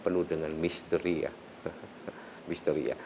penuh dengan misteri ya